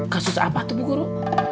kasus apa tuh bu guru